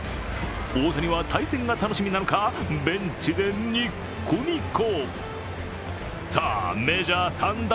大谷は対戦が楽しみなのかベンチでにっこにこ。